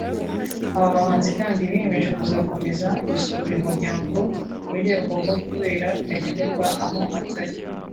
Aba bahanzi kandi biyemeje kuzakomeza gusura uyu muryango mu rwego rwo kubera Kanyamibwa aho atari